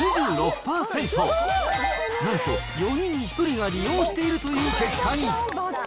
なんと４人に１人が利用しているという結果に。